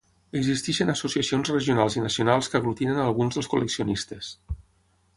Existeixen associacions regionals i nacionals que aglutinen a alguns dels col·leccionistes.